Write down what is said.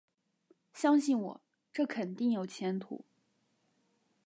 相信我，这肯定有前途